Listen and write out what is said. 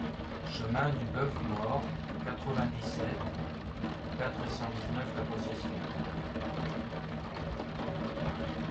Chemin du Boeuf Mort, quatre-vingt-dix-sept, quatre cent dix-neuf La Possession